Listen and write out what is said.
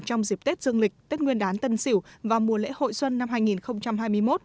trong dịp tết dương lịch tết nguyên đán tân sỉu và mùa lễ hội xuân năm hai nghìn hai mươi một